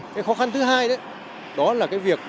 cái khó khăn thứ hai đó là cái việc